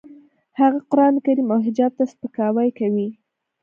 هغه قرانکریم او حجاب ته سپکاوی کوي